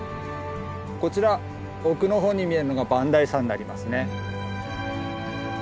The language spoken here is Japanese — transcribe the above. こちら奥の方に見えるのが磐梯山になりますね。